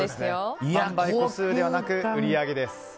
販売個数ではなく売り上げです。